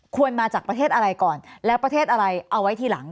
มาจากประเทศอะไรก่อนแล้วประเทศอะไรเอาไว้ทีหลัง